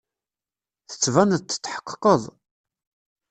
Tettbaneḍ tetḥeqqeqeḍ.